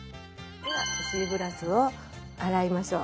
ではシーグラスを洗いましょう。